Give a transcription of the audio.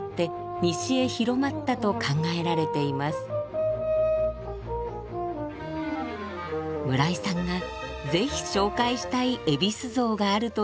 村井さんが是非紹介したいえびす像があるといいます。